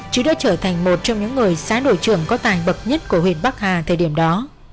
chứ đã trở thành một trong những người xã đội trưởng có tài bậc nhất của huyện bắc hà thời điểm đó